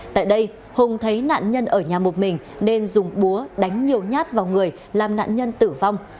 tại đây hùng thấy nạn nhân ở nhà một mình nên dùng búa đánh nhiều nhát vào người làm nạn nhân tử vong